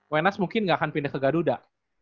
wenas mungkin gak akan pindah ke gaduda